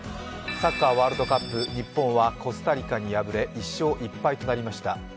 サッカーワールドカップ、日本はコスタリカに敗れ１勝１敗となりました。